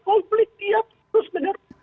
konflik tiap terus menerus